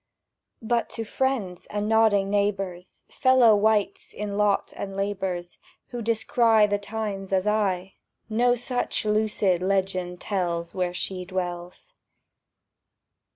But to friends and nodding neighbours, Fellow wights in lot and labours, Who descry the times as I, No such lucid legend tells Where she dwells.